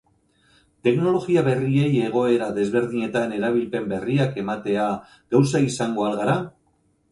Teknologia berriei egoera desberdinetan erabilpen berriak ematea gauza izango al gara?